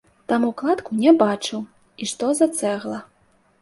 Таму кладку не бачыў і што за цэгла.